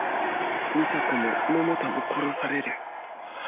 美沙子も百太も殺される。